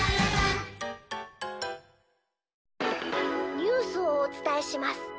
「ニュースをおつたえします。